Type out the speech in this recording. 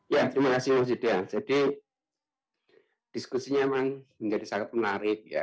ya terima kasih mas yuda jadi diskusinya memang menjadi sangat menarik ya